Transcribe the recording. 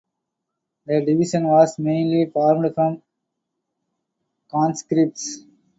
The division was mainly formed from conscripts.